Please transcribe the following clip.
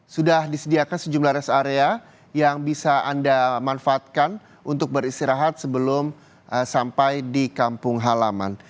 sudah disediakan sejumlah rest area yang bisa anda manfaatkan untuk beristirahat sebelum sampai di kampung halaman